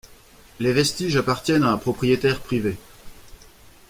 Les vestiges appartiennent à un propriétaire privé.